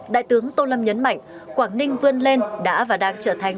đại tướng tô lâm nhấn mạnh quảng ninh vươn lên đã và đang trở thành